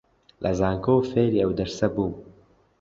لە زانکۆ فێری ئەو دەرسە بووم